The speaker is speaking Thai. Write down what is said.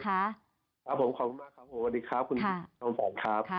ครับผมขอบคุณมากครับผมสวัสดีครับคุณจอมฝันครับ